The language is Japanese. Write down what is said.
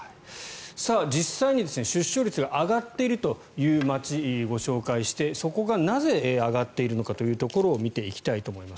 実際に出生率が上がっているという町をご紹介してそこがなぜ上がっているのかというところを見ていきたいと思います。